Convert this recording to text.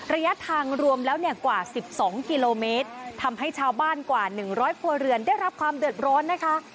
ระยะทางรวมแล้วเนี่ยกว่า๑๒กิโลเมตรทำให้ชาวบ้านกว่า๑๐๐ครัวเรือนได้รับความเดือดร้อนนะคะ